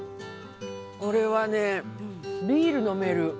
これはね、ビール飲める。